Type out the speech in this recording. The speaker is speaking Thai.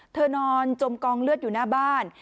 นอนจมกองเลือดอยู่หน้าบ้าน